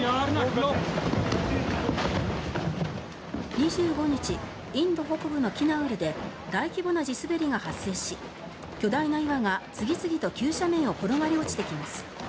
２５日、インド北部のキナウルで大規模な地滑りが発生し巨大な岩が次々と急斜面を転がり落ちてきます。